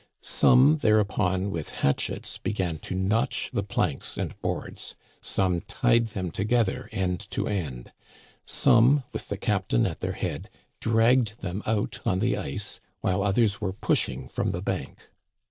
Some thereupon with hatchets began to notch the planks and boards ; some tied them together end to end ; some, witli the captain at their head, dragged them out on the ice, while others were pushing from the bank.